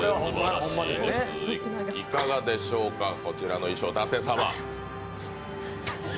いかがでしょうか、こちらの衣装。